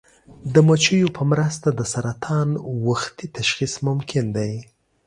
د مچیو په مرسته د سرطان وختي تشخیص ممکن دی.